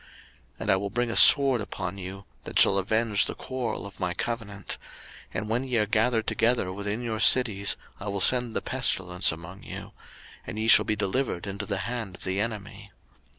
03:026:025 And I will bring a sword upon you, that shall avenge the quarrel of my covenant: and when ye are gathered together within your cities, I will send the pestilence among you; and ye shall be delivered into the hand of the enemy.